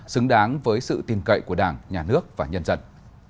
xứng đáng với sự tin cậy của đảng nhà nước và nhân dân